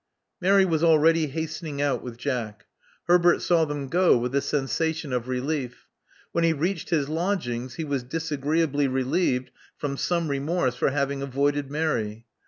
Mary was already hastening out with Jack. Herbert saw them go with a sensation of relief. When he reached his lodgings he was disagreeably relieved from some remorse for having avoided Mary.